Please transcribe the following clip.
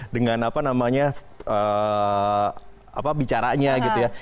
dengan apa namanya bicaranya gitu ya